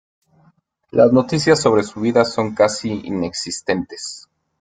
Las noticias sobre su vida son casi inexistentes.